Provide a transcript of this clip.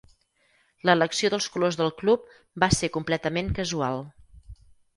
L'elecció dels colors del club va ser completament casual.